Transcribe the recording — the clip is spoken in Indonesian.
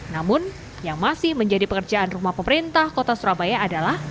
namun yang masih menjadi pekerjaan rumah pemerintah kota surabaya adalah